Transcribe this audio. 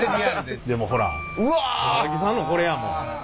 でもほら高木さんのこれやもん。